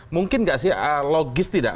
mungkin nggak sih logis tidak